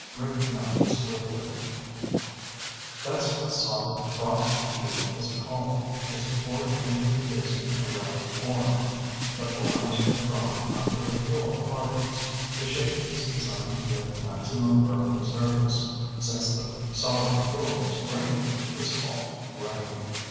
Rick nodded sleepily. "That's what solid rocket fuel is called. It's poured into the casing around a form. The form is withdrawn after the fuel hardens. The shape is designed to give maximum burning surface. Since the solid fuel is grainy, it's called grain."